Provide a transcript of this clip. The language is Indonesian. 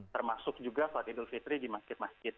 termasuk juga sholat idul fitri di masjid masjid